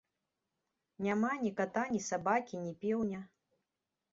Няма ні ката, ні сабакі, ні пеўня.